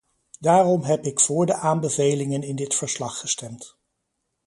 Daarom heb ik voor de aanbevelingen in dit verslag gestemd.